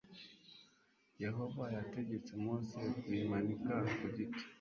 Yehova yategetse Mose kuyimanika ku giti